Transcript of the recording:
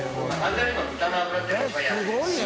┐すごいね